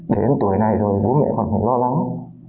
đến tuổi này rồi bố mẹ còn phải lo lắng